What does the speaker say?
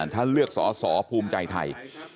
ท่านเลือกสอสอภูมิใจไทย